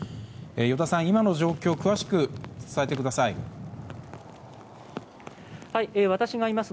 依田さん、今の状況詳しく伝えてください。